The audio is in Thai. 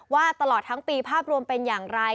ว่าตลอดทั้งปีภาพรวมเป็นอย่างไร